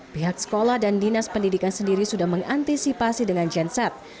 pihak sekolah dan dinas pendidikan sendiri sudah mengantisipasi dengan genset